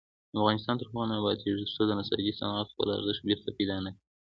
افغانستان تر هغو نه ابادیږي، ترڅو د نساجي صنعت خپل ارزښت بیرته پیدا نکړي.